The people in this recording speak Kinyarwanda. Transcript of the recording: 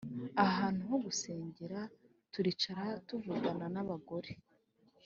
ahantu ho gusengera Turicara tuvugana n abagore